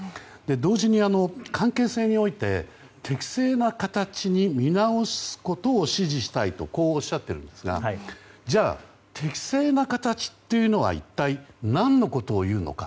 同時に関係性において適正な形に見直すことを指示したいとこうおっしゃっているんですがじゃあ適正な形というのは一体、何のことをいうのか。